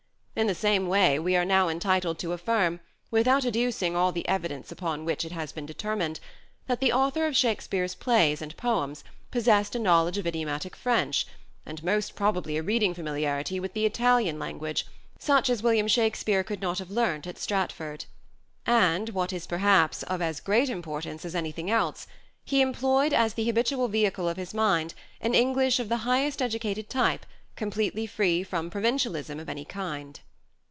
In the same way we are now entitled to affirm, without adducing all the evidence upon which it has been determined, that the author of "Shakespeare's" plays and poems possessed a knowledge of idiomatic French, and most probably a reading familiarity with the Italian language, such as William Shakspere could not have learnt at Stratford : and, what is perhaps of as great importance as anything else, he employed as the habitual vehicle of his mind an English of the highest educated type completely free from provincialism of any kind.